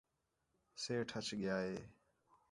سیٹھ اَچ ڳِیا ہِے